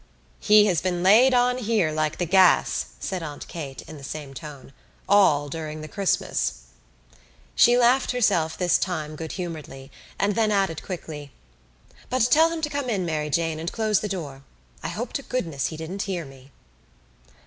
"He has been laid on here like the gas," said Aunt Kate in the same tone, "all during the Christmas." She laughed herself this time good humouredly and then added quickly: "But tell him to come in, Mary Jane, and close the door. I hope to goodness he didn't hear me."